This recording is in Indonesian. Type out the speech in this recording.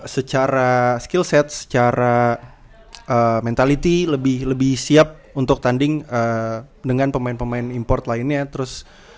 secara skill set secara mentality lebih siap untuk tanding dengan pemain pemain import lainnya